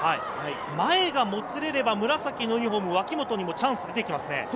前がもつれれば、脇本にもチャンスが出てきますね。